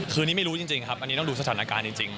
คืนนี้ไม่รู้จริงครับอันนี้ต้องดูสถานการณ์จริง